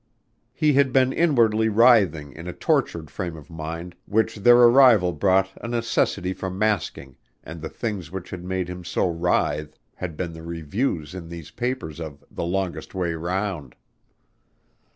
He had been inwardly writhing in a tortured frame of mind which their arrival brought a necessity for masking and the things which had made him so writhe had been the reviews in these papers of "The Longest Way Round."